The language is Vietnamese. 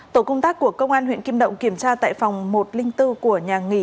tổ công tác của công an huyện kim đông kiểm tra tại phòng một bốn của nhà nghỉ